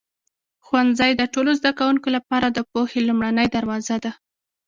ښوونځی د ټولو زده کوونکو لپاره د پوهې لومړنی دروازه دی.